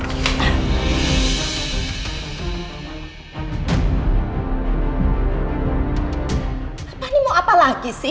kenapa ini mau apa lagi sih